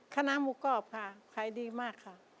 คณะหมูกรอบค่ะขายดีมากค่ะ